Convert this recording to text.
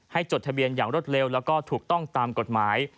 ให้จดทะเบียนอย่างรถเร็วและถูกต้องตามกฎหมาย